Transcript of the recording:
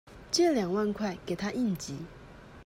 借兩萬塊給她應急